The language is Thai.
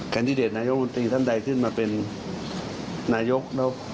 แกนดิเดตนายกวัลตีนท่านใดขึ้นมาเป็นนายก